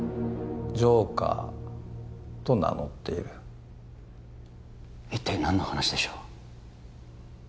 ジョーカーと名乗っている一体何の話でしょう？